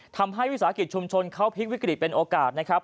ทำให้วิสาหกิจชุมชนเขาพลิกวิกฤตเป็นโอกาสนะครับ